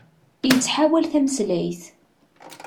Yettḥawal tameslayt.